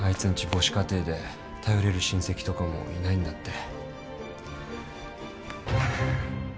母子家庭で頼れる親戚とかもいないんだって。